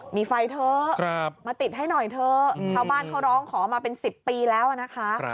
มีไฟเถอะมาติดให้หน่อยเถอะชาวบ้านเขาร้องขอมาเป็น๑๐ปีแล้วนะคะ